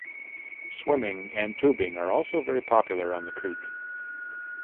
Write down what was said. Swimming and tubing are also very popular on the creek.